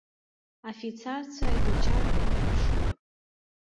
Афицарцәа гачамкны иԥшуеит.